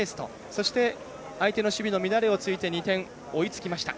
そして相手の守備の乱れを突いて２点、追いつきました。